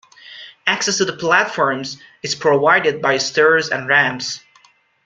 Access to the platforms is provided by stairs and ramps.